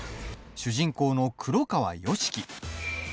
主人公の黒川良樹。